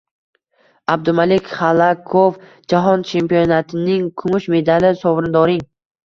Abdumalik Xalakov jahon chempionatining kumush medali sovrindoring